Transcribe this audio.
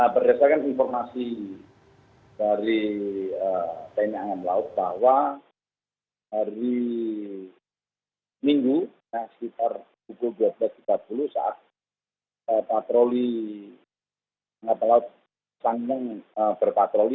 berdasarkan informasi dari tni angkatan laut bahwa hari minggu sekitar pukul dua belas tiga puluh saat patroli kapal laut sanggung berpatroli